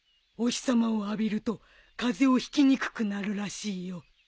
お日さまを浴びると風邪をひきにくくなるらしいよ。